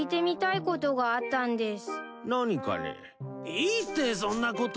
いいってそんなこと。